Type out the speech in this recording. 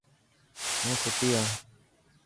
هون ستي هان.